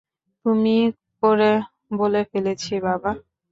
তুমি করে বলে ফেলেছি বাবা।